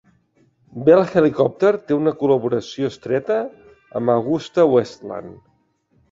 Bell Helicopter té una col·laboració estreta amb AgustaWestland.